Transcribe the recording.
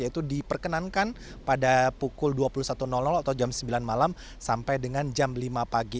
yaitu diperkenankan pada pukul dua puluh satu atau jam sembilan malam sampai dengan jam lima pagi